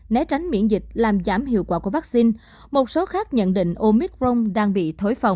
né tránh miễn dịch làm giảm hiệu quả của vaccine một số khác nhận định omicron đang bị thối phòng